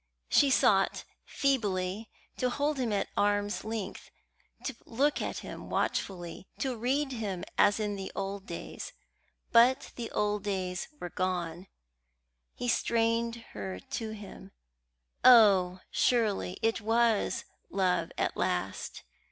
She sought feebly to hold him at arm's length, to look at him watchfully, to read him as in the old days; but the old days were gone. He strained her to him. Oh, surely it was love at last!